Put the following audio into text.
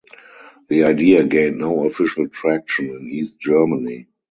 The idea gained no official traction in East Germany.